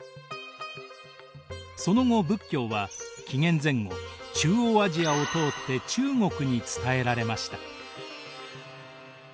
その後仏教は紀元前後中央アジアを通って中国に伝えられました。